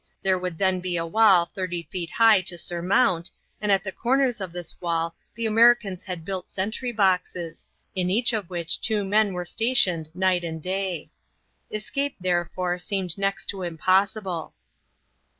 There would then be a wall thirty feet high to surmount, and at the corners of this wall the Americans had built sentry boxes, in each of which two men were stationed night and day. Escape, therefore, seemed next to impossible.